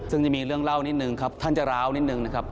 ซึ่งจะมีเรื่องเล่านิดนึงครับท่านจะร้าวนิดนึงนะครับ